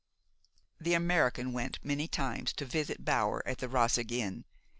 The American went many times to visit Bower at the Roseg inn.